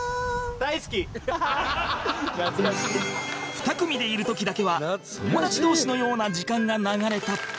２組でいる時だけは友達同士のような時間が流れた